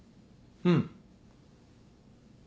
うん。